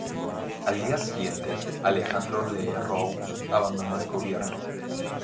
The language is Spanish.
Al día siguiente, Alejandro Lerroux abandonó el gobierno.